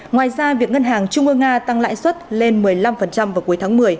ngoài ra việc ngân hàng trung ương nga tăng lãi suất lên một mươi năm vào cuối tháng một mươi